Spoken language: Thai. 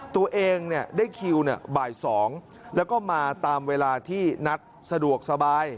ตัวเองได้คิวบ่าย๒แล้วก็มาตามเวลาที่นัดสะดวกสบาย